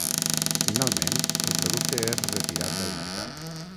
Finalment, el producte és retirat del mercat.